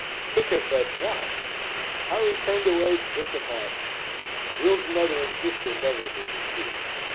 To confess what? Harry turned away sick at heart. Will's mother and sister never knew the truth.